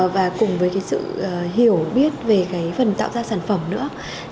và cùng với sự hiểu biết về phần tạo ra sản phẩm nữa